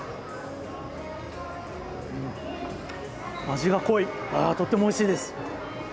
味が濃い、とてもおいしいです。